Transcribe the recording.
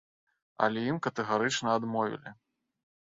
Але ім катэгарычна адмовілі.